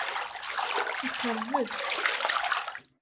Iqerreb-d.